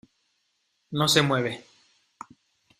no se mueve.